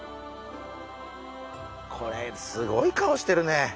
これすごい顔してるね。